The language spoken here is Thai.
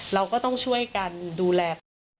เราก็ต้องช่วยกันดูแลเขา